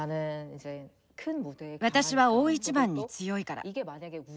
私は大一番に強いから。